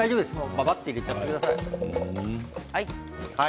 ばばっと入れてください。